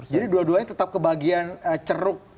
jadi dua duanya tetap kebagian ceruk